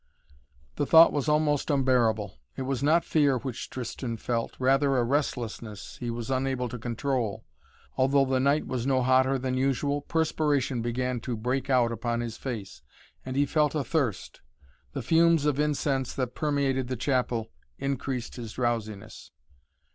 The thought was almost unbearable. It was not fear which Tristan felt, rather a restlessness he was unable to control. Although the night was no hotter than usual, perspiration began to break out upon his face, and he felt athirst. The fumes of incense that permeated the chapel, increased his drowsiness.